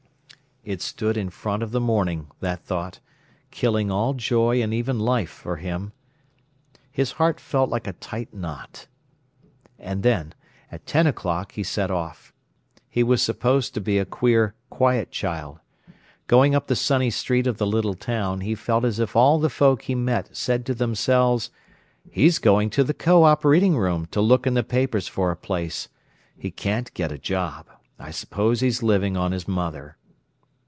It stood in front of the morning, that thought, killing all joy and even life, for him. His heart felt like a tight knot. And then, at ten o'clock, he set off. He was supposed to be a queer, quiet child. Going up the sunny street of the little town, he felt as if all the folk he met said to themselves: "He's going to the Co op. reading room to look in the papers for a place. He can't get a job. I suppose he's living on his mother."